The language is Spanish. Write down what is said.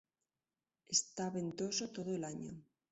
Está ventoso todo el año.